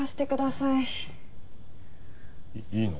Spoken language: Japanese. いいの？